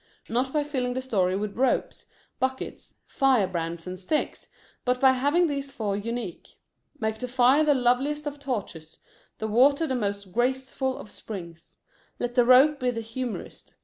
Not by filling the story with ropes, buckets, fire brands, and sticks, but by having these four unique. Make the fire the loveliest of torches, the water the most graceful of springs. Let the rope be the humorist.